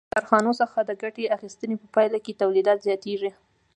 له کارخانو څخه د ګټې اخیستنې په پایله کې تولیدات زیاتېږي